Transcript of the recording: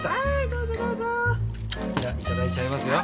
じゃいただいちゃいますよ。